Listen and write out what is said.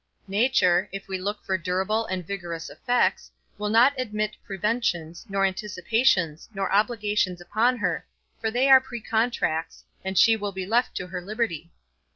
Nature (if we look for durable and vigorous effects) will not admit preventions, nor anticipations, nor obligations upon her, for they are precontracts, and she will be left to her liberty.